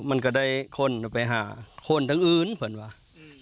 มันก็ได้คนไปหาคนทั้งอื่นเพื่อนว่ะ